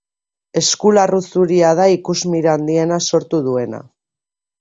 Eskularru zuria da ikusmira handiena sortu duena.